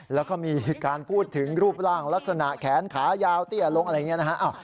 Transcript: แล้วก็มีการพูดถึงรูปร่างลักษณะแขนขายาวเตี้ยลงอะไรอย่างนี้นะฮะ